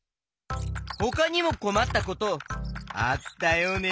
ほかにもこまったことあったよね？